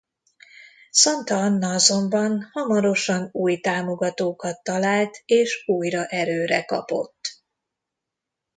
Santa Anna azonban hamarosan új támogatókat talált és újra erőre kapott.